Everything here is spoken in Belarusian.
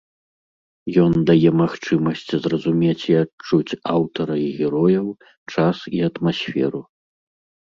Ён дае магчымасць зразумець і адчуць аўтара і герояў, час і атмасферу.